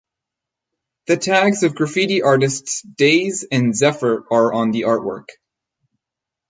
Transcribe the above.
The tags of graffiti artists Daze and Zephyr are on the artwork.